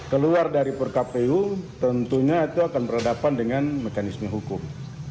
keluar dari per kpu tentunya itu akan berhadapan dengan mekanisme hukum